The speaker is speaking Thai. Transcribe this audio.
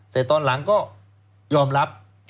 ตอนหลังก็ยอมรับ